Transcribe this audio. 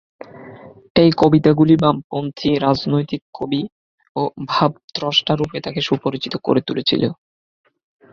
এই কবিতাগুলি বামপন্থী রাজনৈতিক কবি ও ভাবদ্রষ্টা-রূপে তাকে সুপরিচিত করে তুলেছিল।